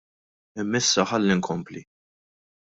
Imma issa ħalli nkompli.